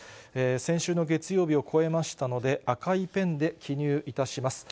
先週の月曜日を超えましたので、赤いペンで記入いたします。